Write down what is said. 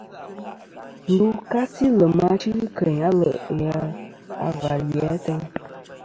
Ndu kasi lem achɨ keyn alè' ghè a và li lì ateyn.